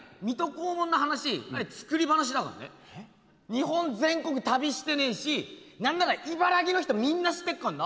日本全国旅してねえし何なら茨城の人みんな知ってっかんな。